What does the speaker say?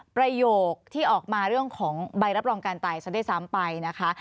ประโยคที่ออกมาเรื่องของใบรับรองการตายซะด้วยซ้ำไปนะคะ